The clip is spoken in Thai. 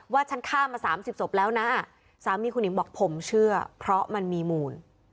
ฉันฆ่ามา๓๐ศพแล้วนะสามีคุณหญิงบอกผมเชื่อเพราะมันมีมูล